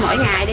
mỗi ngày đi